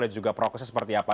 dan juga proses seperti apa